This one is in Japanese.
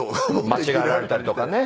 間違えられたりとかね。